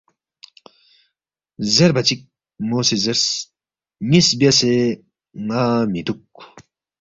زیربا چِک مو سی زیرس، نِ٘یس بیاسے ن٘ا مِہ دُوک